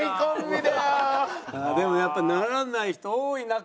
でもやっぱならない人多い中。